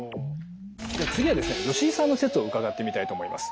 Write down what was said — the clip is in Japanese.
じゃあ次はですね吉井さんの説を伺ってみたいと思います。